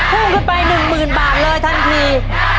พุ่งขึ้นไป๑๐๐๐บาทเลยทันที